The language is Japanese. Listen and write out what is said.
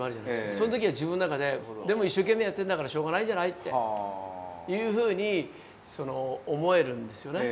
その時は自分の中で「でも一生懸命やってんだからしょうがないんじゃない？」っていうふうに思えるんですよね。